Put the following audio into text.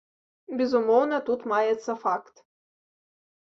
Безумоўна, тут маецца факт.